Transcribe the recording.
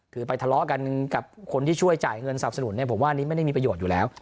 คือไปทะเลาะกันกับคนที่ช่วยจ่ายเงินสนับสนุนเนี่ยผมว่าอันนี้ไม่ได้มีประโยชน์อยู่แล้ว